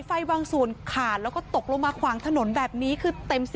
ไฟวางศูนย์ขาดแล้วก็ตกลงมาขวางถนนแบบนี้คือเต็มสี่